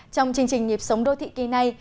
trong chương trình nhịp sống đô thị kỳ này